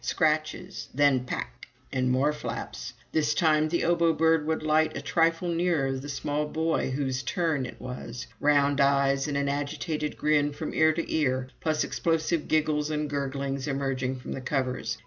Scratches. Then "Pak!" and more flaps. This time the Obo Bird would light a trifle nearer the small boy whose "turn" it was round eyes, and an agitated grin from ear to ear, plus explosive giggles and gurglings emerging from the covers.